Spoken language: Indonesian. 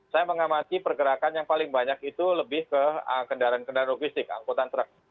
saya mengamati pergerakan yang paling banyak itu lebih ke kendaraan kendaraan logistik angkutan truk